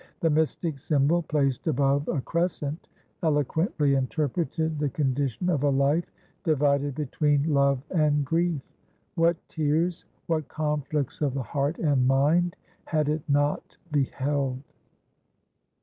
The mystic symbol, placed above a crescent, eloquently interpreted the condition of a life divided between love and grief. What tears, what conflicts of the heart and mind had it not beheld!"